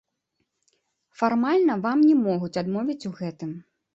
Фармальна вам не могуць адмовіць у гэтым.